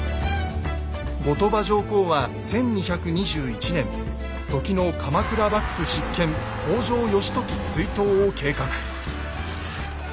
後鳥羽上皇は１２２１年時の鎌倉幕府執権北条義時追討を計画。